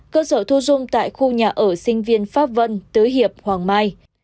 cơ sở thu dung tại khu nhà ở sinh viên pháp vân tứ hiệp hoàng mai